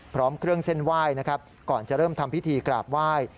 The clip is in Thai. พร้อมเครื่องเส้นไหว้นะครับก่อนจะเริ่มทำพิธีกราบไหว้